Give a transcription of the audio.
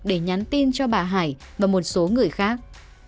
để nhắn tin cho bà hải và một số người khác